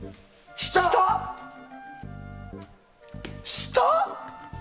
下？